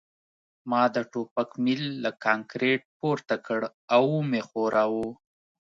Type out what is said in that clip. ما د ټوپک میل له کانکریټ پورته کړ او ومې ښوراوه